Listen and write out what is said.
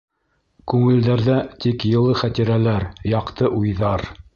Күңелдәрҙә — тик йылы хәтирәләр, яҡты уйҙар...